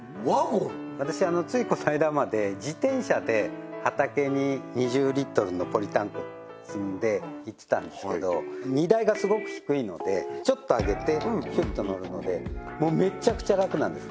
私ついこの間まで自転車で畑に２０リットルのポリタンク積んで行ってたんですけど荷台がすごく低いのでちょっと上げてフッと載るのでメチャクチャ楽なんです